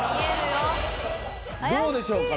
どうでしょうか？